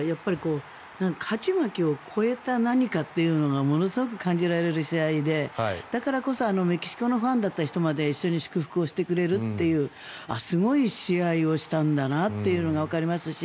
勝ち負けを超えた何かというものがものすごく感じられる試合でだからこそメキシコのファンだった人まで一緒に祝福してくれるというすごい試合をしたんだなというのがわかりますし